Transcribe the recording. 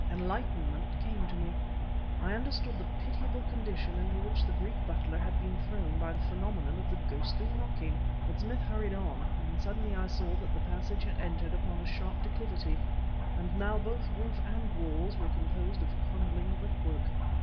Enlightenment came to me, and I understood the pitiable condition into which the Greek butler had been thrown by the phenomenon of the ghostly knocking. But Smith hurried on, and suddenly I saw that the passage had entered upon a sharp declivity; and now both roof and walls were composed of crumbling brickwork.